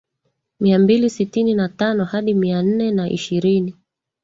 Mia mbili sitini na tano hadi mia nne na ishirini